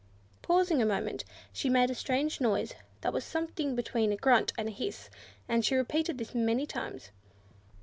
Pausing a moment, she made a strange little noise that was something between a grunt and a hiss: and she repeated this many times.